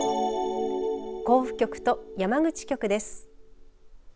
甲府局と山口局です。